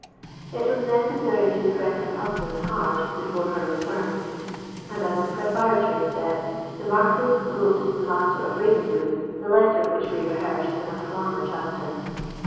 It was necessary to press her husband hard before her return; and, as a preparatory step, the Marquis wrote to the Master of Ravenswood the letter which we rehearsed in a former chapter.